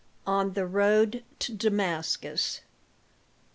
ON THE ROAD TO DAMASCUS.